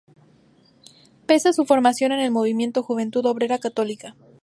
Pese a su formación en el movimiento Juventud Obrera católica.